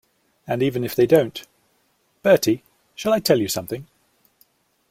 And even if they don't — Bertie, shall I tell you something?